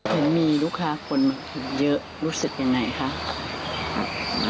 เห็นมีลูกค้าคนมาเยอะรู้สึกยังไงคะ